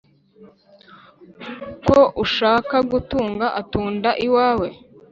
ko ushaka gutunga atunda iwawe